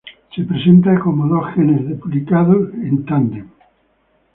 Se presenta como dos genes duplicados en tándem.